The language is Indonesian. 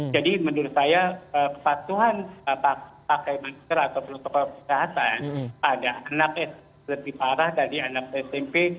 jadi menurut saya kepatuhan pakai masker atau protokol kesehatan pada anak s lebih parah dari anak smp